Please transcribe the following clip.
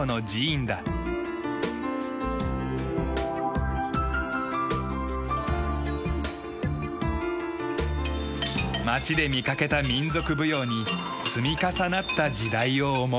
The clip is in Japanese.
町で見かけた民族舞踊に積み重なった時代を思う。